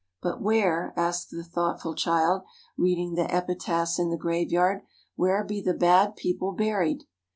But where, asked the thoughtful child, reading the epitaphs in the graveyard, where be the bad people buried?